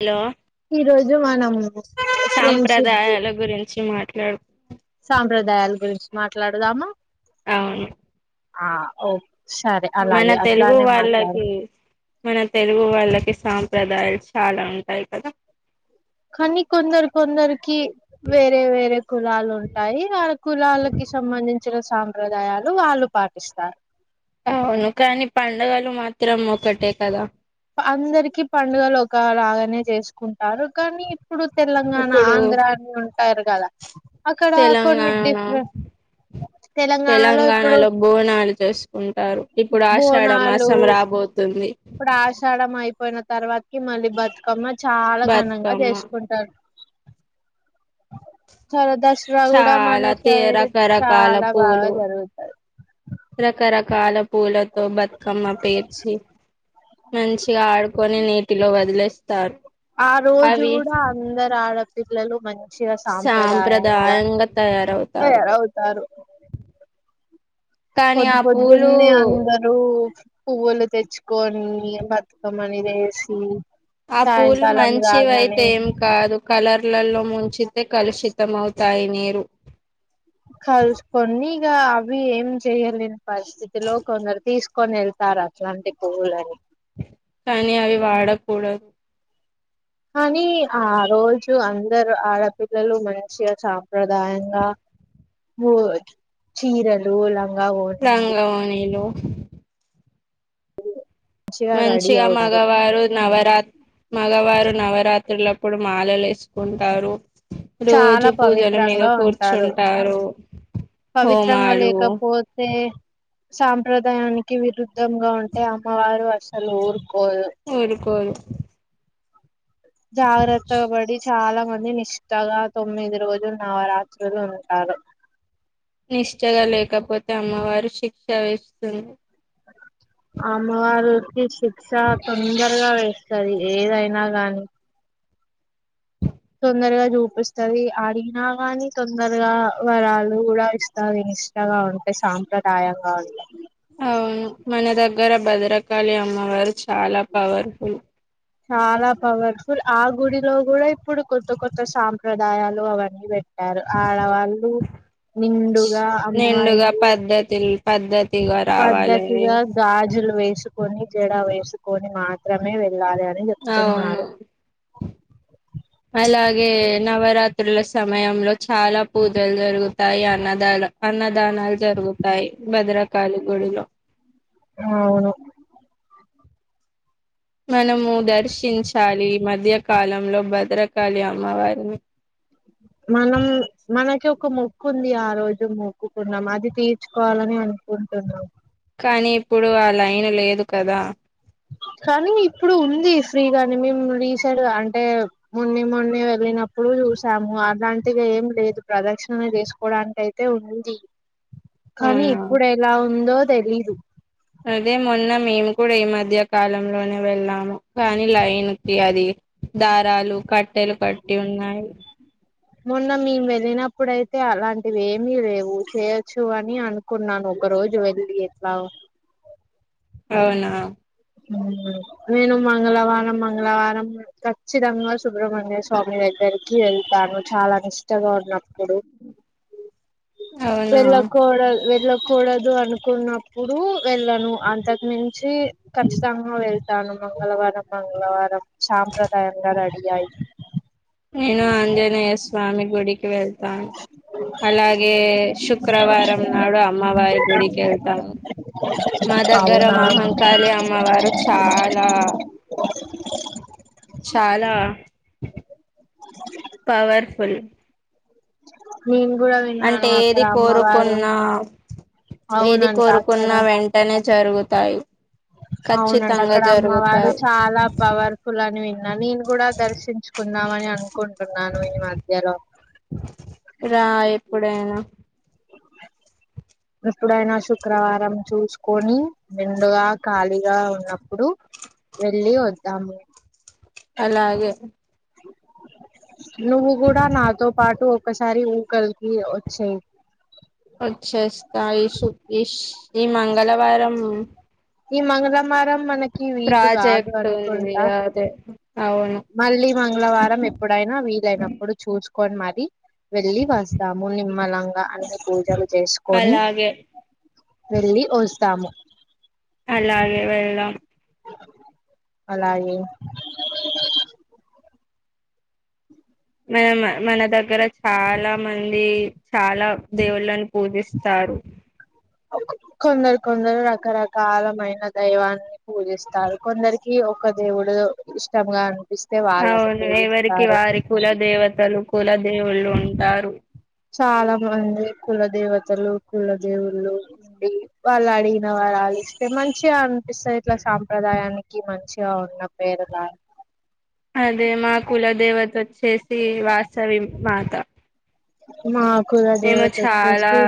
Hello ఈ రోజు మనం ఫ్రెండ్షిప్ డే సాంప్రదాయాల గురించి మాట్లాడు సాంప్రదాయాల గురించి మాట్లాడదామా? అవును ఆ ఓ సరే మన అలాగే తెలుగు అట్లానే మాట్లాడు వాళ్ళకి మన తెలుగు వాళ్ళకి సాంప్రదాయాలు చాలా ఉంటాయి కదా. కానీ కొందరు కొందరికి వేరే వేరే కులాలు ఉంటాయి ఆ కులాలకి సంబంధించిన సాంప్రదాయాలు వాళ్ళు పాటిస్తారు. అవును కానీ పడుగలు మాత్రం ఒకటే కదా అందరికి పండుగలు ఒకలాగానే చేసుకుంటారు కానీ ఇప్పుడు తెలంగాణ, ఇప్పుడు ఆంధ్రా అన్ని ఉంటారు కదా అక్కడ కొన్ని తెలంగాణ డిఫరెంట్ తెలంగాణలో బోనాలు చేసుకుంటారు. ఇప్పుడు ఆషాఢ మాసం రాబోతుంది. ఆషాఢ అయిపోయిన తర్వాతకి మళ్ళీ బతుకమ్మ చాలా ఘనంగా బతుకమ్మ చేసుకుంటారు. సర దస్ రా కూడా మన చాలా తే శైడు రకరకాల చాలా బాగా పూలు జరుగుతంది. రకరకాల పూలతో బతుకమ్మ పేర్చి మంచిగా ఆడుకొని నీటిలో వదిలేస్తారు. ఆ రోజు అవి కూడా అందరు ఆడపిల్లలు మం చిగా సాంప్రదాయంగా తయారవుతారు. కానీ పొద్దు ఆ పూలు పొద్దున్నే అందరు రు పువ్వులు తెచ్చుకొని బతుకమ్మని దేసి ఆ పూలు మంచివియితే ఏ కాదు కలర్లలో ముంచితే కలుషితం అవుతాయి నీరు కలుసుకొని ఇగ అవి ఏం చేయలేని పరిస్థితిలో కొందరు తీసు కొని వెళ్తారు అట్లాంటి పూల్ని కానీ అవి వాడకుడదు కానీ ఆ రోజు అందరు ఆడపిల్లలు మంచిగా సాంప్రదాయంగా మోగి చీరలు లంగా వో లంగావోణిలు రెడీ మంచిగా అవుతారు మగవారు నవరా మగవారు నవరాత్రులప్పుడు మాలలు వేసుకుంటారు. చాలా రోజు పూజల మీద పవిత్రంగా ఉంటారు కూర్చుంటారు. పవిత్రంగా హోమాలు లేకపోతే సాంప్రదాయానికి విరుద్ధంగా ఉంటే అమ్మవారు అసలు ఊరుకోదు. ఊరుకోరు జాగ్రత్త పడి చాలా మంది నిష్ట కొత్తగా తొమ్మిది రోజులు నవరాత్రులు ఉంటారు. నిష్టగా లేకపోతే అమ్మవారు శిక్ష వేస్తుంది. అ అమ్మవారికి శిక్ష తొందరగా వేస్తది ఏదైనా గాని తొందరగా చూపిస్తది అడిగినా కాని తొందరగా వరాలు కూడా ఇస్తాయి. నిష్ట గా ఉంటే సాంప్రదాయంగా ఉంటాయి అవును మన దగ్గర భద్రకాళి అమ్మవారు చాలా పవర్ఫుల్. చాలా పవర్ఫుల్ ఆ గుడిలో కూడా ఇప్పుడు కొత్త కొత్త సాంప్రదాయాలు అవన్నీ పెట్. ట్టారు ఆడవాళ్ళు నిండుగా అమ్మాయిలు. ఎటిల్ పద్ధతి కూడా. పద్ధతిగా గాజులు వేసుకొని జడ వేసుకొని మాత్రమే వెళ్ళాలి అ. అవును. [inaudible] అలాగే నవరాత్రుల సమయంలో చాలా పూజలు జరుగుతాయి అన్నదాలు. అన్నదానాలు జరుగుతాయి భద్రకాళి గుడిలో. అవును మనము దర్శించాలి మధ్యకాలంలో భద్రకాళి అమ్మవారిని. మనం మనకి ఒక మొక్కు ఉంది ఆ రోజు మొక్కుకున్నాం అది తీర్చుకోవాలని వున్. ఉంటున్నా. కానీ ఇప్పుడు ఆ లైను లేదు కదా. కానీ ఇప్పుడు ఉంది ఫ్రీ గాని మేము రీసెంట్‌గా అంటే. మొన్ని మొన్ని వెళ్ళినప్పుడు చూసాము అలాంటివి ఏం లేదు ప్రదక్షిణ చేసుకోవడానికై. అయితే ఉంది కానీ అవునా ఇప్పుడు ఎలా ఉందో తెలీదు. అదే మొన్న మేము కూడా ఈ మధ్య కాలంలోనే వెళ్ళాము కానీ లైన్కి అది. దారాలు కట్టెలు కట్టి ఉన్నాయి. మొన్న మేము వెళ్ళినప్పుడయితే అలాంటివి ఏమీ లేవు చేయొచ్చు అని అను. కున్నాను ఒక రోజు వెళ్ళి ఎట్లా ఉన్. అవునా. నేను మంగళవారం మంగళవారం. ఖచ్చితంగా సుబ్ర్మణ్య స్వామి దగ్గరికి వెళ్తాను చాలా నిష్టగా ఉన్నప్పుడు. అవునా వెళ్ళ కోడల్ వెళ్ళ. కుడదు అనుకున్నప్పుడు వెళ్ళను అంతకు మించి. ఖచ్చితంగా వెళ్తాను మంగళవారం మంగళవారం సాంప్రదాయంగా రెడీ అయి. నేను ఆంజనేయస్వామి గుడికి వెళ్. అలాగే శుక్రవారం నాడు అమ్మవారి గుడికి వెళ్తాను. మా దగ్గర అవునా మాహంకాళి అమ్మవారు. చాలా చాలా. పవర్ఫుల్. నేను కూడా. విన్నాను అంటే అక్కడ ఏది అమ్మవారు కోరుకున్నా ఏది అవునంట కోరుకున్న అక్కడ వెన్. అనే జరుగుతాయి. అవునంట ఖచ్చితంగా అక్కడ అమ్మవారు జరుగుతాయి చాలా పవర్. కులాని విన్నా నేను కూడా దర్శించుకుందామని అనుకుంటున్నాను ఈ మధ్యలో. రా ఎప్పుడైనా. ఇప్పుడైనా శుక్రవారం చూసుకొని నిండుగా ఖాళీగా ఉన్నప్పుడు. వెళ్ళి వద్దాము. అలాగే. నువ్వు కూడా నాతో పాటు ఒకసారి ఊ కల్కి వచ్చేయి. వచ్చేస్తా ఈషు ఇష్ ఈ మంగళవారం. ఈ మంగళమారం మనకి వీలు కాదు ప్రాజెక్ట్ ఉంది అనుకుంటా. అదే అవును మళ్ళీ మంగళవారం ఎప్పుడైనా వీలైనప్పుడు చూసుకోండి మరి వెళ్ళి వస్తాము నిమ్మలంగా అన్ని పూజలు చేసుకని అలాగే వెళ్లి వస్తాము అలాగే వెళ్దాం అలాగే మన మన దగ్గర చాలా మంది చాలా దేవుళ్ళను పూజిస్తారు కొందరు కొందరు రకరకాలమైన దైవాన్ని పూజిస్తారు కొందరికి ఒక దేవుడు ఇష్టంగా ఇస్తే వాళ్ళను అవును ఎవరికి పూజిస్తారు వారి కుల దేవతలు కుల దేవుళ్ళు ఉంటారు చాలా మంది కుల దేవతలు కుల దేవుళ్ళు వాళ్ళు అడిగిన వరలు ఇస్తే మంచిగా అనిపిస్తది ఇట్లా సాంప్రదాయానికి మంచిగా వున్న పేరల అదే మా కుల దేవత వచ్చేసి వాసవి మాత మా కుల మేము దేవత చాలా వచ్చేసి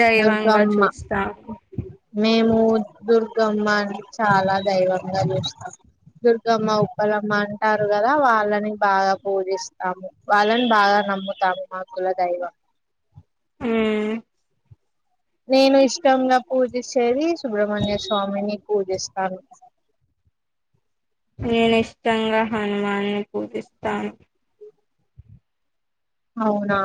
దైవంగా దుర్గమ్మ చూస్తాం మేము దుర్గమ్మ ని చాలా దైవంగా చూస్తాం దుర్గమ్మ ఉప్పలమ్మ అంటారు గదా వాళ్ళని బాగా పూజిస్తాము వాళ్ళని బాగా నమ్ముత తా మా కులదైవం ఊ నేను ఇష్టంగా పూజిచేది సుబ్రహ్మణ్య స్వామిని పూజిస్తాను నేను ఇష్టంగా హనుమాన్ ని పూజిస్తాను అవునా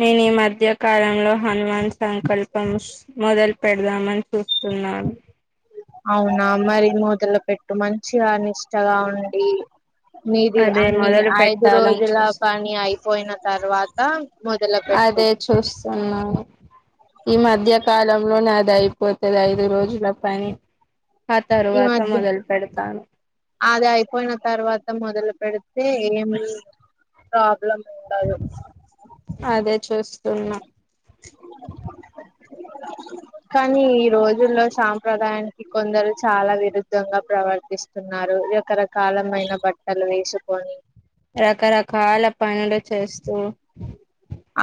నేను ఈ మధ్య కాలంలో హనుమాన్ సంకల్పంస్ మొదలు పెడదామని చూ తున్నాను అవునా మరి మొదలు పెట్టు మంచిగా నిష్టగా ఉండి మీది అదే అన్ని మొదలు ఐదు పెట్టాలని రోజుల చూస్తు పని అయిపోయిన తర్వాత తా మొదల పె అదే చూస్తున్నాను ఈ మధ్య కాలంలో నాది అయిపోతది ఐదు రోజుల పని ఆ ఈ తరువాత మధ్య మొదలు పెడతాను అది అయిపోయిన తర్వాత మొదలు పెడితే ఏమి ప్రాబ్లం ఉండదు అదే చూస్తున్నా కానీ ఈ రోజుల్లో సాంప్రదాయానికి కొందరు చాలా విరుద్ధంగా ప్రవర్తిస్ తున్నారు రకరకాల మైన బట్టలు వేసుకొని రకరకాల పనులు చేస్తూ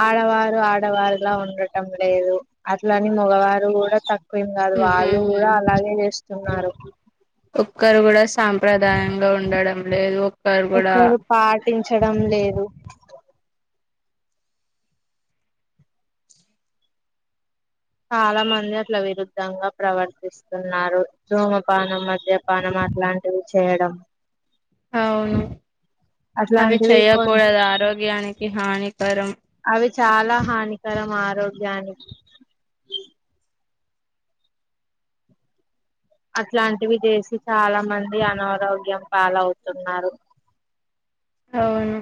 ఆడవారు ఆడవారులా ఉండటం లేదు అట్లని మగవారు కూడా త వేం గాదు వాళ్ళు గూడా అలాగే చేస్తున్నారు ఒక్కరు కూడా సాంప్రదాయంగా ఉండడం లేదు ఒక్కరు కూడా ఒకరు పాటించడం లేదు చాలా మంది అట్ల విరుద్ధంగా ప్రవర్తిస్తున్నారు ధూమపానం మద్యపానం అలాంటివి చేయడం అవును అవి అట్లాంటివి కొ చెయకూడదు ఆరోగ్యానికి హానికరం అవి చాలా హానికరం ఆరోగ్యానికి అట్లాంటివి చేసి చాలా మంది అనారోగ్యం పాలవుతున్నారు అవును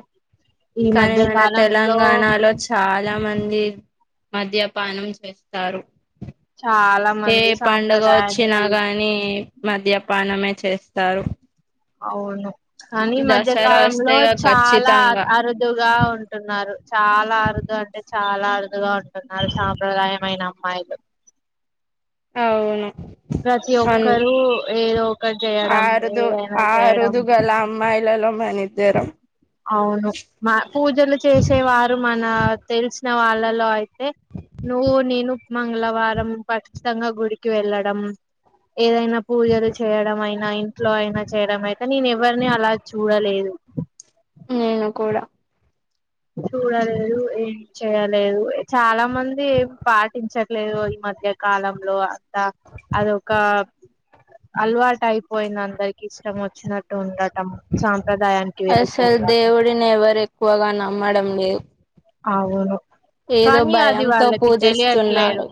ఈ కానీ మధ్య మన కాలంలో తెలంగాణలో చ్ చాలా మంది మద్యపానం చేస్తారు చాలా ఏ మంది పండగ వచ్చినా సాంప్రదాయానికి గానీ మద్యపానమే చేస్తారు అవును కానీ ఈ దసరా మధ్యకాలంలో వస్తేగా చాలా ఆ ఖచ్చితంగా ఆరో దుగా ఉంటున్నారు చాలా అరుదు అంటే చాలా అరుదుగా ఉంటున్నారు సాంప్రదాయమైన అమ్మాయిలు అవును ప్రతి అన్ ఒక్కరు ఏదో ఒకటి చేయడం ఏదైనా చేయడం మహిళలో మనిద్దరం అవును మా పూజలు చేసేవారు మన తెలిసిన వాళ్ళలో అయితే నువ్వు నేను మంగళవారం ఖచ్చితంగా గుడికి వెళ్ళడం ఏదైనా పూజలు చేయడం అయినా ఇంట్లో అయినా చేయడం అయితే నేను ఎవరిని అలా చూడలేదు మ్మ్ నేను కూడా చూడలేదు ఏం చేయలేదు చాలా మంది ఏం పాటించ ట్లేదు ఈ మధ్య కాలంలో అంత అదొక అలవాటు అయిపోయింది అందరికి ఇష్టం వచ్చినట్టు ఉండటం సాంప్రదాయానికి విరుద్ధంగా డిని ఎవరు ఎక్కువగా నమ్మడం లేదు అవును ఏదో కానీ అది భయంతో వాళ్ళకి తెలియట్లేదు పూజిస్తున్నారు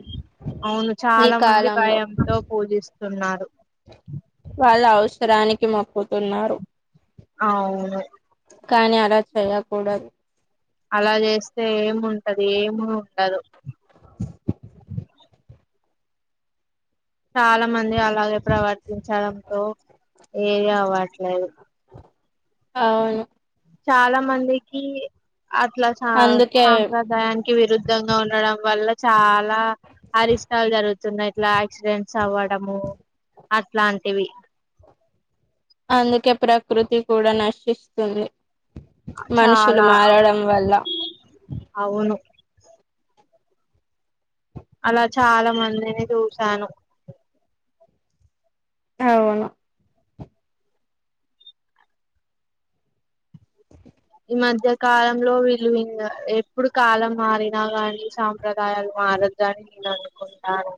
అవును ఈ చాలా మంది కాలంలో భయంతో పూజిస్తున్నారు వాళ్ళు అవసరానికి మొక్కుతున్నారు అవును కానీ అలా చేయ్యకూడదు అలా చేస్తే ఏముంటది ఏమి ఉండదు చాలా మంది అలాగే ప్రవర్తించడంతో ఏది అవ్వట్లేదు అవును చాలా మందికి అట్లా సా అందుకే సాంప్రదాయాని కి విరుద్ధంగా ఉండడం వల్ల చాలా అరిష్టాలు జరుగుతున్నాయి ఇట్లా యాక్సిడెంట్స్ అవ్వడము అట్లాంటివి అందుకే ప్రకృతి కూడా నశిస్తుంది చాలా మనుషులు అవును మారడం వల్ల అవును అలా చాలా మందిని చూశాను అవును ఈ మధ్య కాలంలో వీళ్ళు ఇంగ ఎప్పుడు కాలం మారినా గానీ చా ల గాయాలు మారద్దు అని అనుకుంటా ఉంటారు